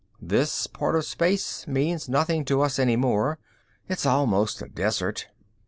This part of space means nothing to us any more; it's almost a desert.